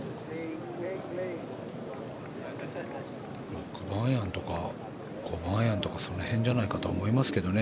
６番アイアンとか５番アイアンとかその辺じゃないかと思いますけどね。